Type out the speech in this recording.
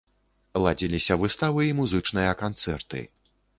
Ладзіліся выставы і музычныя канцэрты.